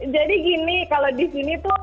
jadi gini kalau di sini tuh keluarga